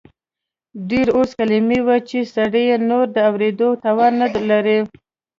ډېر داسې کلیمې وې چې سړی یې نور د اورېدو توان نه لري.